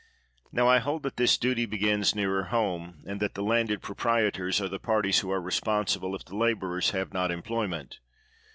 Now, I hold that this duty begins nearer home, and that the landed proprietors are the parties who are responsible if the laborers have not employment.